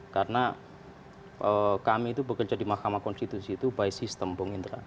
karena kami itu bekerja di mahkamah konstitusi itu by system bung indra